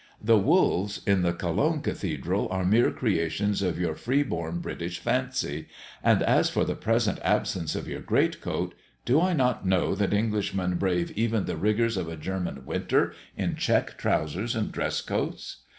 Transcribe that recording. The wolves in the Cologne Cathedral are mere creations of your free born British fancy; and, as for the present absence of your great coat do I not know that Englishmen brave even the rigours of a German winter in check trousers and dress coats?